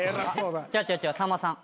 違う違う違うさんまさん。